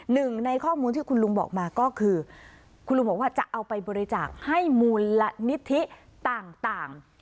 หนึ่งในข้อมูลที่คุณลุงบอกมาก็คือคุณลุงบอกว่าจะเอาไปบริจาคให้มูลนิธิต่าง